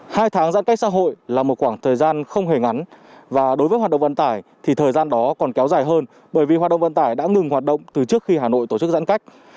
hai tháng giãn cách xã hội là một khoảng thời gian không hề ngắn và đối với hoạt động vận tải thì thời gian đó còn kéo dài hơn bởi vì hoạt động vận tải đã ngừng hoạt động từ trước khi hà nội tổ chức giãn cách